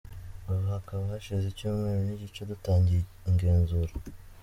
Ubu hakaba hashize icyumweru n’igice dutangiye igenzura.